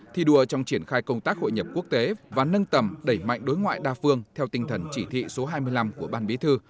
thi đua trong triển khai công tác hội nhập quốc tế và nâng tầm đẩy mạnh đối ngoại đa phương theo tinh thần chỉ thị số hai mươi năm của ban bí thư